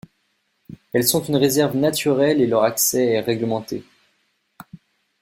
Elles sont une réserve naturelle et leur accès est réglementé.